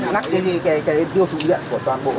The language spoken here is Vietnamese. ngắt cái tiêu thủ điện của toàn bộ